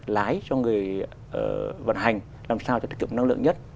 lái cho người vận hành làm sao cho tiết kiệm năng lượng nhất